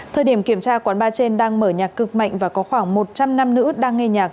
thời điểm kiểm tra quán bar trên đang mở nhạc cực mạnh và có khoảng một trăm linh nam nữ đang nghe nhạc